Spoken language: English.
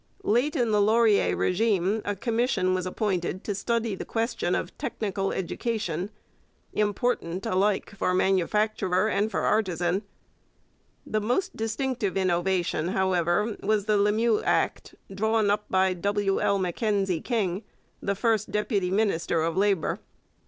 Late in the Laurier régime a commission was appointed to study the question of technical education, important alike for manufacturer and for artisan. The most distinctive innovation, however, was the Lemieux Act, drawn up by W. L. Mackenzie King, the first deputy minister of Labour.